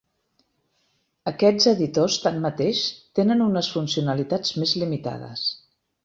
Aquests editors, tanmateix, tenen unes funcionalitats més limitades.